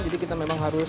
jadi kita memang harus